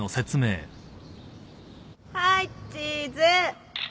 はいチーズ